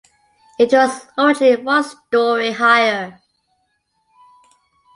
It was originally one story higher.